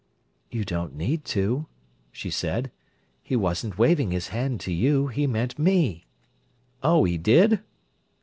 "You don't need to," she said. "He wasn't waving his hand to you: he meant me." "Oh, he did?"